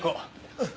うん。